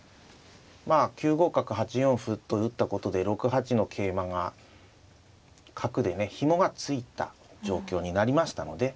まあ９五角８四歩と打ったことで６八の桂馬が角でねひもが付いた状況になりましたのでは